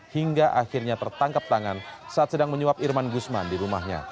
hingga akhirnya tertangkap tangan saat sedang menyuap irman gusman di rumahnya